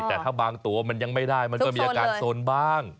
แต่ถ้าบางตัวมันยังไม่ได้มันก็มีอาการโซนบ้าง